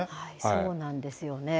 そうなんですよね。